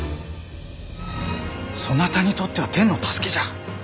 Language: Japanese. そなたにとっては天の助けじゃ。